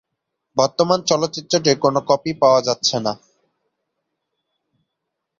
বর্তমানে চলচ্চিত্রটির কোন কপি পাওয়া যাচ্ছে না।